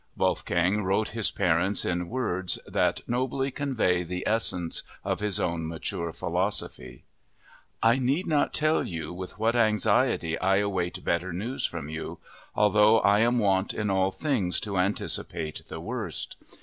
Wolfgang wrote his parent in words that nobly convey the essence of his own mature philosophy: "_I need not tell you with what anxiety I await better news from you ... although I am wont in all things to anticipate the worst.